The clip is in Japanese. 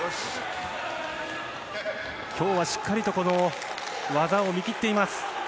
今日はしっかりと技を見切っています。